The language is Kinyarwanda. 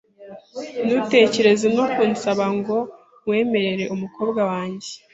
Ntutekereze no kunsaba ngo nkwemerere umukobwa wanjye.